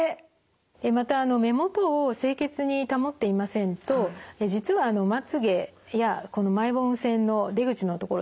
また目元を清潔に保っていませんと実はまつげやこのマイボーム腺の出口の所ですね